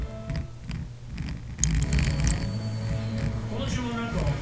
この注文何個？